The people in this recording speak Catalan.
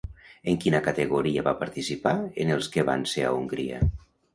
En quina categoria va participar en els que van ser a Hongria?